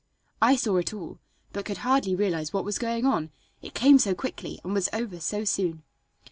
I saw it all, but could hardly realize what was going on, it came so quickly and was over so soon.